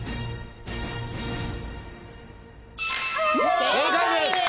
正解です。